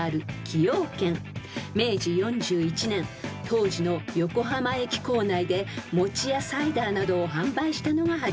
［当時の横浜駅構内で餅やサイダーなどを販売したのが始まり］